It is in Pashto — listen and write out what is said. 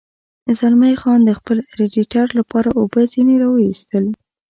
زلمی خان د خپل رېډیټر لپاره اوبه ځنې را ویستل.